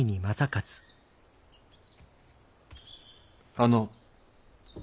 あの。